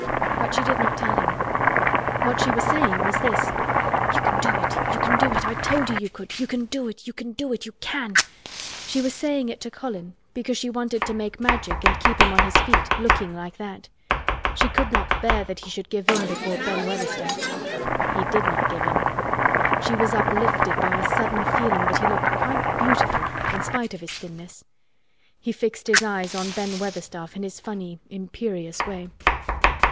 But she did not tell him. What she was saying was this: "You can do it! You can do it! I told you you could! You can do it! You can do it! You can!" She was saying it to Colin because she wanted to make Magic and keep him on his feet looking like that. She could not bear that he should give in before Ben Weatherstaff. He did not give in. She was uplifted by a sudden feeling that he looked quite beautiful in spite of his thinness. He fixed his eyes on Ben Weatherstaff in his funny imperious way.